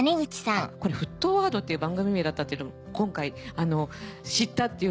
これ『沸騰ワード』っていう番組名だったっていうのを今回知ったっていうか。